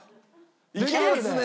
いけますね！